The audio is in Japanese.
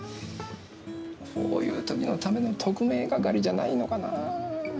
こういう時のための特命係じゃないのかなぁ。